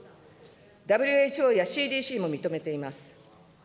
ＷＨＯやＣＤＣも認めています。